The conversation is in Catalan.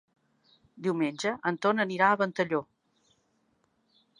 Diumenge en Ton anirà a Ventalló.